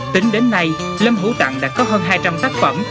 tính đến nay lâm hữu tạng đã có hơn hai trăm linh tác phẩm